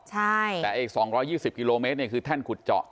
ใช่แต่อีกสองร้อยยี่สิบกิโลเมตรเนี้ยคือแท่นขุดเจาะ